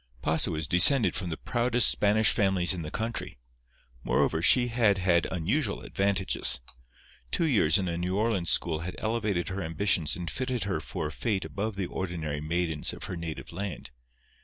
Pasa was descended from the proudest Spanish families in the country. Moreover, she had had unusual advantages. Two years in a New Orleans school had elevated her ambitions and fitted her for a fate above the ordinary maidens of her native land.